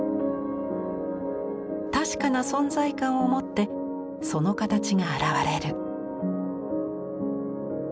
確かな存在感を持ってその形が現れる。